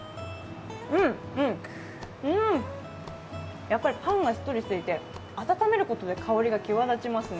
うん、やっぱりパンがしっとりしていて温めることで香りが際立ちますね。